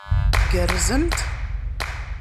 Tgerrzemt?